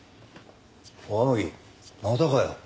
おい天樹またかよ。